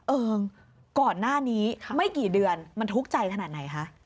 เอิงก่อนหน้านี้ไม่กี่เดือนมันทุกข์ใจขนาดไหนคะ